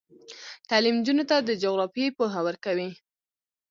تعلیم نجونو ته د جغرافیې پوهه ورکوي.